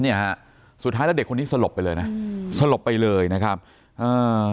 เนี่ยฮะสุดท้ายแล้วเด็กคนนี้สลบไปเลยนะอืมสลบไปเลยนะครับอ่า